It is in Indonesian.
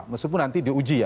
meskipun nanti diuji ya